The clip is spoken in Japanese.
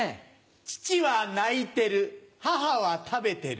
父は泣いてる母は食べてる。